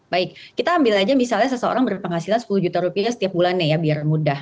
baik kita ambil aja misalnya seseorang berpenghasilan sepuluh juta rupiah setiap bulannya ya biar mudah